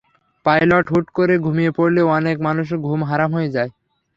Pilot হুট করে ঘুমিয়ে পড়লে অনেক মানুষের ঘুম হারাম হয়ে যায়।